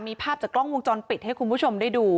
มีภาพจากกล้องวงจรปิดให้คุณผู้ชมได้ดู